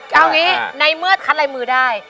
เอางี้ในเมื่อคัดลายมือได้